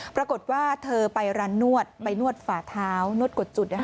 ปรากฏว่าเธอไปร้านนวดไปนวดฝาเท้านวดกดจุด